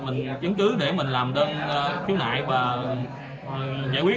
mình dẫn cứ để mình làm tên phiếu nại và giải quyết